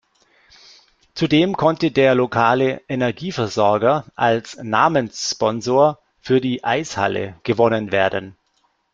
Zudem konnte der lokale Energieversorger als Namenssponsor für die Eishalle gewonnen werden.